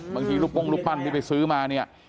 บางทีรูปปั้นไปซื้อมา